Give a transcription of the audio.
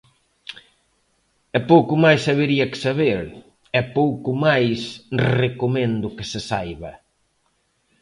E pouco máis habería que saber, e pouco máis recomendo que se saiba.